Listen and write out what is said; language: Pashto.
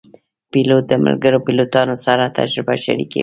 پیلوټ د ملګرو پیلوټانو سره تجربه شریکوي.